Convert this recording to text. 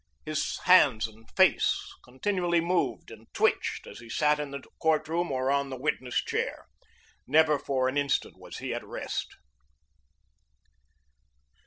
His hands and face continually moved and twitched as he sat in the courtroom or on the witness chair. Never for an instant was he at rest.